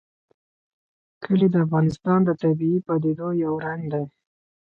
کلي د افغانستان د طبیعي پدیدو یو رنګ دی.